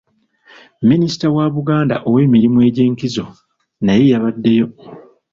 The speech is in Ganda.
Minisita wa Buganda ow'emirimu egy'enkizo naye yabaddeyo.